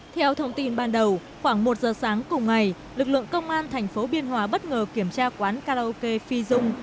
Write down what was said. theo thông tin ban đầu khoảng một giờ sáng cùng ngày lực lượng công an thành phố biên hòa bất ngờ kiểm tra quán karaoke phi dung